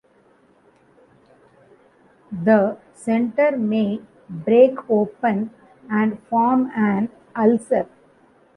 The center may break open and form an ulcer.